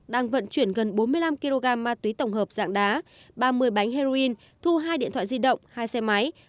đang vận chuyển gần bốn mươi năm kg ma túy tổng hợp dạng đá ba mươi bánh heroin thu hai điện thoại di động hai xe máy